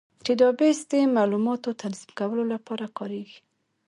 ډیټابیس د معلوماتو تنظیم کولو لپاره کارېږي.